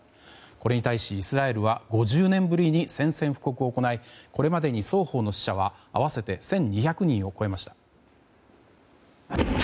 これに対し、イスラエルは５０年ぶりに宣戦布告を行いこれまでに双方の死者は合わせて１２００人を超えました。